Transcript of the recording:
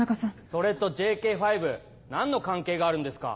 それとＪＫ５何の関係があるんですか？